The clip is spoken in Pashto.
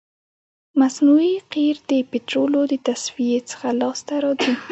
مصنوعي قیر د پطرولو د تصفیې څخه لاسته راځي